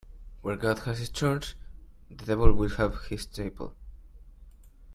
Where God has his church, the devil will have his chapel.